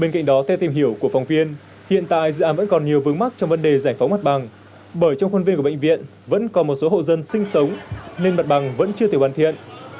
bên cạnh đó theo tìm hiểu của phóng viên hiện tại dự án vẫn còn nhiều vướng mắt trong vấn đề giải phóng mặt bằng bởi trong khuôn viên của bệnh viện vẫn còn một số hộ dân sinh sống nên mặt bằng vẫn chưa thể hoàn thiện